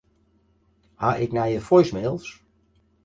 Ha ik nije voicemails?